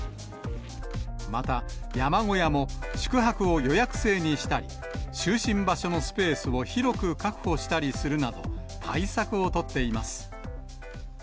また、山小屋も宿泊を予約制にしたり、就寝場所のスペースを広く確保したりするなど、対策を取っています。